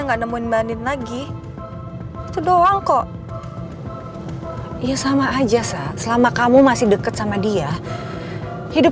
nggak nemuin bandin lagi itu doang kok ya sama aja sih selama kamu masih deket sama dia hidup